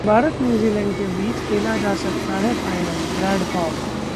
भारत-न्यूजीलैंड के बीच खेला जा सकता है फाइनलः ब्रैड हॉग